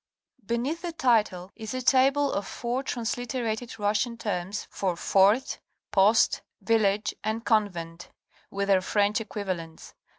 Beneath the title is a table of four transliterated Russian terms for fort, post, village and convent, with their French equivalents.